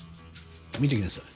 見てきなさい。